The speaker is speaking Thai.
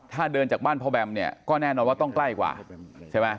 ถ้าเดินจากบ้านพ่อแบมเนี่ยก็แน่นอนว่าต้องใกล้กว่าใช่ไหม